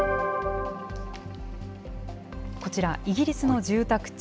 こちら、イギリスの住宅地。